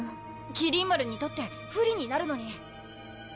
麒麟丸にとって不利になるのに。